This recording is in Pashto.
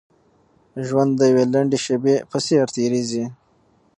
ژوند د يوې لنډې شېبې په څېر تېرېږي.